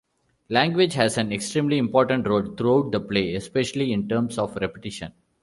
Language has an extremely important role throughout the play, especially in terms of repetition.